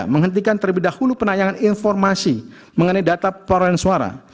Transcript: tiga tiga menghentikan terlebih dahulu penayangan informasi mengenai data perolahan suara